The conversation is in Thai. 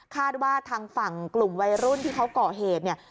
ว่าทางฝั่งกลุ่มวัยรุ่นที่เขาก่อเหตุเนี่ย